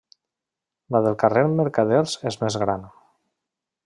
La del carrer Mercaders és més gran.